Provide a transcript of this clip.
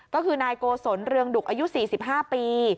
ก็คือนายโกศลเรืองดุกอายุ๔๕ปี